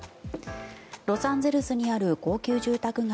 ロサンゼルスにある高級住宅街